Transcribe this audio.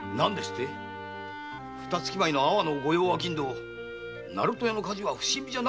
ふた月前の阿波の御用商人・鳴門屋の火事は不審火じゃなかったんで？